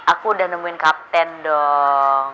aku udah nemuin kapten dong